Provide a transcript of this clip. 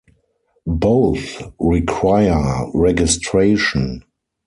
Both require registration.